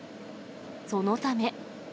そのため。